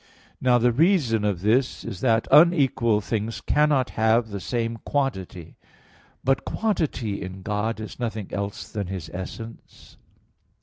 Now the reason of this is that unequal things cannot have the same quantity. But quantity, in God, is nothing else than His essence.